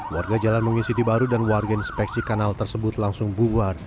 warga jalan mengisi baru dan warga inspeksi kanal tersebut langsung bubar